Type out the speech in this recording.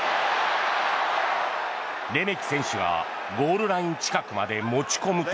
レメキ選手がゴールライン近くまで持ち込むと。